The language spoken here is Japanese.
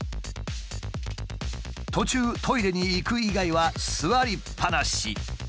途中トイレに行く以外は座りっぱなし。